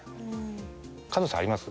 加藤さんあります？